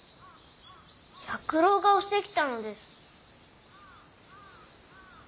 弥九郎が押してきたのです。